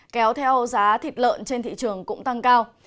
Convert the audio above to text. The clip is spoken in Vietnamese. kéo theo giá thịt lợn trên thị trường cũng tăng cao